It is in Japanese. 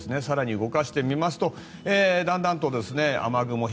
更に動かしてみますとだんだんと雨雲